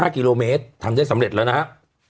๕กิโลเมตรทำได้สำเร็จแล้วนะฮะ